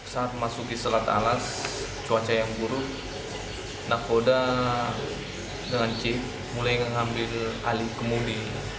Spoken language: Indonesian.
saat masuk di selat alas cuaca yang buruk nakoda dengan cik mulai mengambil alih kemudi